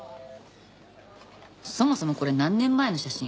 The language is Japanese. そもそもこれ何年前の写真？